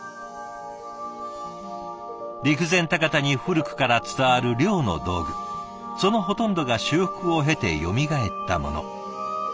陸前高田に古くから伝わる漁の道具そのほとんどが修復を経てよみがえったもの。